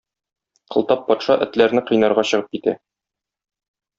Кылтап патша этләрне кыйнарга чыгып китә.